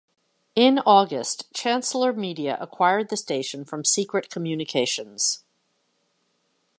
In August, Chancellor Media acquired the station from Secret Communications.